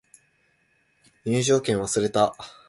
入場券忘れた